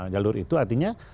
jalur itu artinya